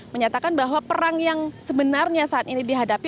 menyatakan bahwa perang yang sebenarnya saat ini dihadapi